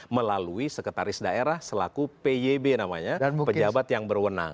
melalui sekretaris daerah selaku pyb namanya pejabat yang berwenang